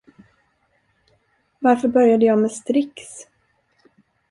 Varför började jag med Strix?